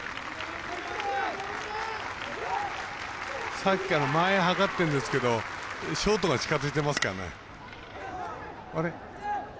さっきから間合いはかってるんですけどショートが近づいてますかね。